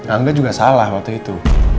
angga juga salah waktu itu